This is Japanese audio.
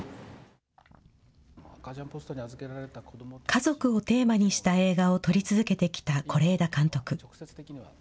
家族をテーマにした映画を撮り続けてきた是枝監督。